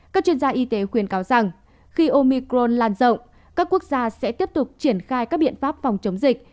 các chuyên gia y tế khuyên cáo rằng khi omicron lan rộng các quốc gia sẽ tiếp tục triển khai các biện pháp phòng chống dịch